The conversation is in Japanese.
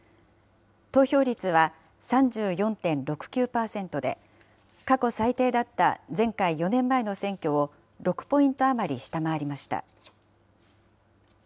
投票率は３４．６９％で、過去最低だった前回・４年前の選挙を６ポイント余り下回りました。